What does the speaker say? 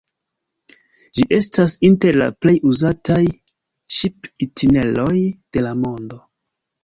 Ĝi estas inter la plej uzataj ŝip-itineroj de la mondo.